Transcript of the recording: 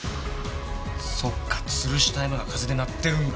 そっかつるした絵馬が風で鳴ってるんだ。